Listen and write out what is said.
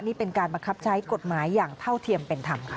นี่เป็นการบังคับใช้กฎหมายอย่างเท่าเทียมเป็นธรรมค่ะ